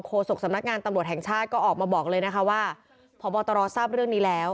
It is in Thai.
ศกสำนักงานตำรวจแห่งชาติก็ออกมาบอกเลยนะคะว่าพบตรทราบเรื่องนี้แล้ว